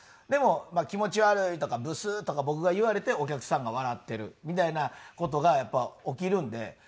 でも「気持ち悪い」とか「ブス」とか僕が言われてお客さんが笑ってるみたいな事がやっぱり起きるんで。